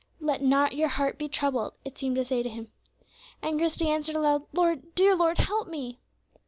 "Let not your heart be troubled," it seemed to say to him. And Christie answered aloud, "Lord, dear Lord, help me."